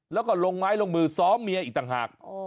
แล้วก็ลงไม้ลงมือซ้อมเมียอีกต่างหาก